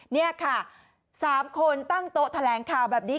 นี่ค่ะ๓คนตั้งโต๊ะแถลงข่าวแบบนี้